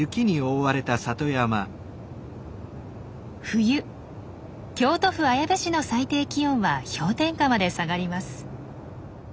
冬京都府綾部市の最低気温は氷点下まで下がります。